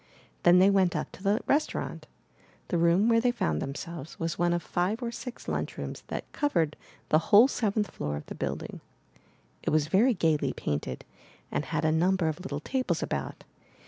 Then they went up to the restaurant. The room where they found themselves was one of five or six lunchrooms that covered the whole seventh floor of the build ing. It was very gaily painted, and had a number of little tables about.